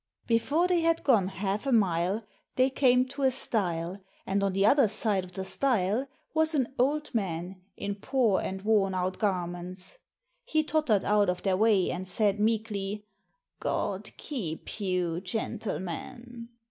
Before they had gone half a mile, they came to a stile, and on the other side of the stile was an old man in poor and worn out garments. He tottered out of their way and said meekly, " God keep you, gentle men."